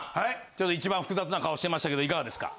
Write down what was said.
ちょっと一番複雑な顔してましたけどいかがですか？